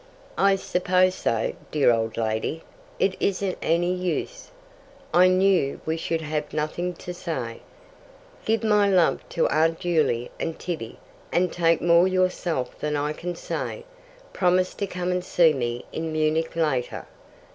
"I suppose so dear old lady! it isn't any use. I knew we should have nothing to say. Give my love to Aunt Juley and Tibby, and take more yourself than I can say. Promise to come and see me in Munich later."